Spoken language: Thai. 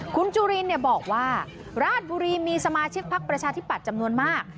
คุณจุลินบอกว่าราชบุรีมีสมาชิกพักประชาธิปัตย์จำนวนมาก